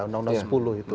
undang undang sepuluh itu